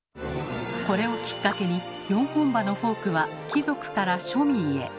これをきっかけに４本歯のフォークは貴族から庶民へ。